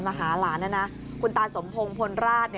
มาหาหลานคุณตาสมพงศ์พลราช